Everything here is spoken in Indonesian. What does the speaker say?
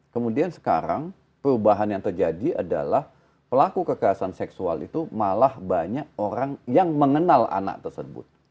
kemudian sekarang perubahan yang terjadi adalah pelaku kekerasan seksual itu malah banyak orang yang mengenal anak tersebut